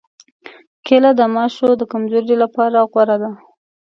کېله د ماشو د کمزورۍ لپاره غوره ده.